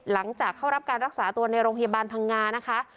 หลังจากเข้ารับการรักษาตัวในโรงพยาบาลพังงานะคะ